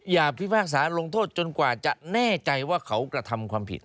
พิพากษาลงโทษจนกว่าจะแน่ใจว่าเขากระทำความผิด